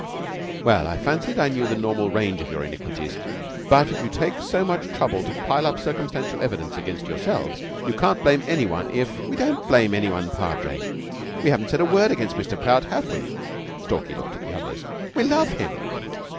"Well, I fancied I knew the normal range of your iniquities; but if you take so much trouble to pile up circumstantial evidence against yourselves, you can't blame any one if " "We don't blame any one, Padre. We haven't said a word against Mr. Prout, have we?" Stalky looked at the others. "We love him.